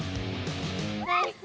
ナイス！